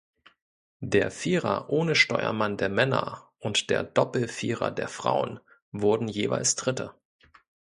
Der Vierer ohne Steuermann der Männer und der Doppelvierer der Frauen wurden jeweils Dritte.